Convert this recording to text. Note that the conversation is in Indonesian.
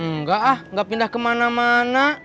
enggak ah nggak pindah kemana mana